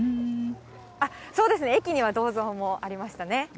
そうですね、駅には銅像もありましたね。